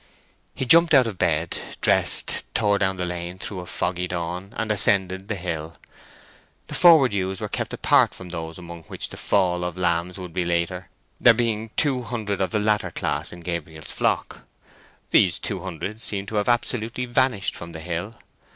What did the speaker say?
He jumped out of bed, dressed, tore down the lane through a foggy dawn, and ascended the hill. The forward ewes were kept apart from those among which the fall of lambs would be later, there being two hundred of the latter class in Gabriel's flock. These two hundred seemed to have absolutely vanished from the hill.